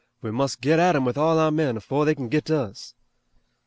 We must git at 'em with all our men afore they can git at us."